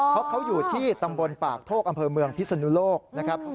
เพราะเขาอยู่ที่ตำบลปากโทกอำเภอเมืองพิศนุโลกนะครับ